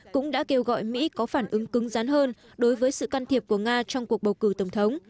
cũng đã kêu gọi mỹ có phản ứng cứng rắn hơn đối với sự can thiệp của nga trong cuộc bầu cử tổng thống